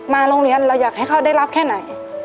โรงเรียนเราอยากให้เขาได้รับแค่ไหน